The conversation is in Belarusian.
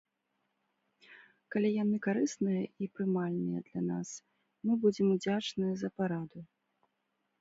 Калі яны карысныя і прымальныя для нас, мы будзем удзячныя за параду.